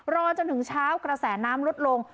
รอจนถึงเช้ากระแสน้ำลดลง